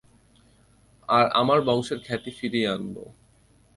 আর আমার বংশের খ্যাতি ফিরিয়ে আনবো।